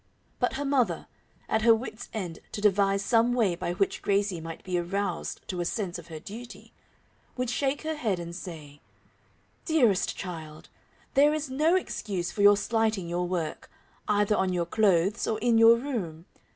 But her poor mother, at her wits' end to devise some way by which Gracie might be aroused to a sense of her duty, would shake her head and say: "Dearest child, there is no excuse for your slighting your work, either on your clothes or in your room.